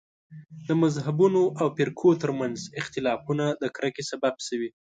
د مذهبونو او فرقو تر منځ اختلافونه د کرکې سبب شوي.